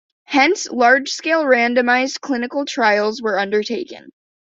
Hence, large-scale randomized clinical trials were undertaken.